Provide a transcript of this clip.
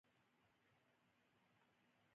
ډېر دردونکي حالتونه مو په ملک کې تېر شوي.